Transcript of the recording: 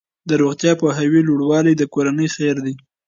د روغتیايي پوهاوي لوړوالی د کورنۍ خیر دی.